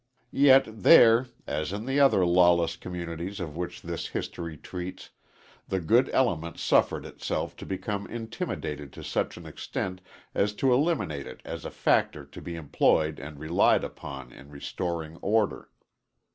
Yet there, as in the other lawless communities of which this history treats, the good element suffered itself to become intimidated to such an extent as to eliminate it as a factor to be employed and relied upon in restoring order.